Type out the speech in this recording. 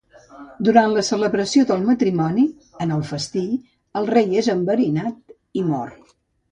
Durant la celebració del matrimoni, en el festí, el rei és enverinat i mor.